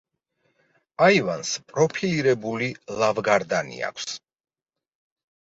აივანს პროფილირებული ლავგარდანი აქვს.